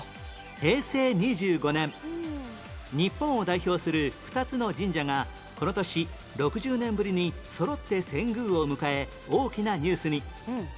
平成２５年日本を代表する２つの神社がこの年６０年ぶりにそろって遷宮を迎え大きなニュースに